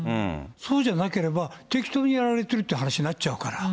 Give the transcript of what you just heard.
そうじゃなければ、適当にやられてるっていう話になっちゃうから。